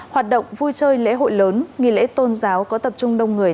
hoạt động vui chơi lễ hội lớn nghỉ lễ tôn giáo có tập trung đông người